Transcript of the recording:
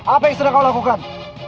apa yang sudah kau lakukan